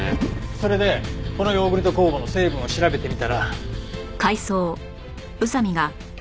それでこのヨーグルト酵母の成分を調べてみたら。